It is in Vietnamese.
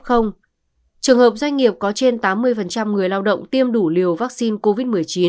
trường hợp doanh nghiệp có trên tám mươi người lao động tiêm đủ liều vaccine covid một mươi chín